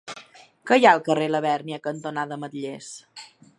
Què hi ha al carrer Labèrnia cantonada Ametllers?